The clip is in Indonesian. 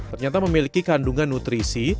ternyata memiliki kandungan nutrisi